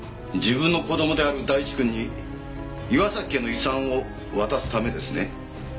自分の子供である大地くんに岩崎家の遺産を渡すためですね？